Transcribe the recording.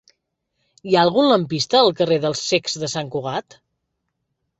Hi ha algun lampista al carrer dels Cecs de Sant Cugat?